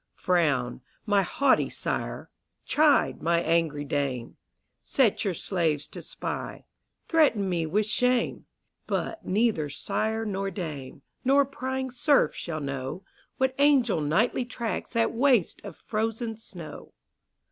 Frown, my haughty sire! chide, my angry dame! Set your slaves to spy; threaten me with shame: But neither sire nor dame, nor prying serf shall know, What angel nightly tracks that waste of frozen snow.